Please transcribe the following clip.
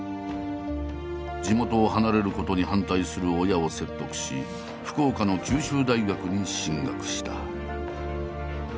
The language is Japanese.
地元を離れることに反対する親を説得し福岡の九州大学に進学した。